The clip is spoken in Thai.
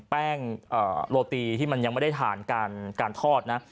แป้งโรตีที่มันยังไม่ได้ทานการทอดนะ